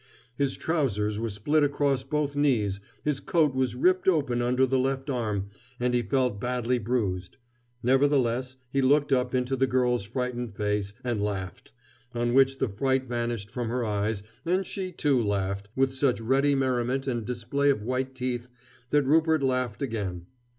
His trousers were split across both knees, his coat was ripped open under the left arm, and he felt badly bruised; nevertheless, he looked up into the girl's frightened face, and laughed, on which the fright vanished from her eyes, and she, too, laughed, with such ready merriment and display of white teeth, that Rupert laughed again.